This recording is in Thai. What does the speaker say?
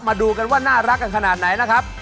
มาดูกันว่าน่ารักกันขนาดไหนนะครับ